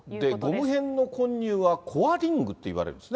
ゴム片の混入は、コアリングっていわれるんですね。